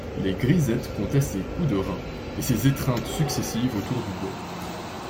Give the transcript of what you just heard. Les grisettes comptaient ses coups de reins, et ses étreintes successives autour du bois.